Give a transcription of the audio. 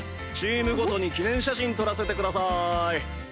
チームごとに記念写真撮らせてください。